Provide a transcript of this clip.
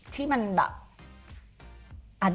ที่มันแบบ